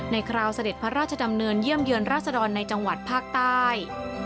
คราวเสด็จพระราชดำเนินเยี่ยมเยือนราษดรในจังหวัดภาคใต้